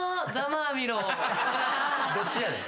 どっちやねん。